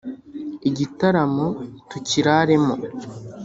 igitaramo tukiraremo